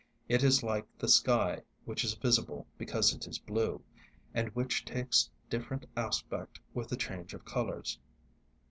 It is like the sky, which is visible because it is blue, and which takes different aspect with the change of colours.